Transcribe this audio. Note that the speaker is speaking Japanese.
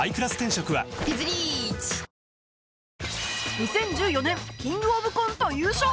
２０１４年キングオブコント優勝